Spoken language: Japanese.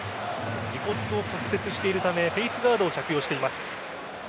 鼻骨を骨折しているためフェースガードを着用しています。